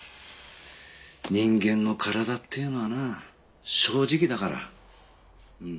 人間の体っていうのはなあ正直だから。